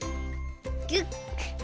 ギュッ。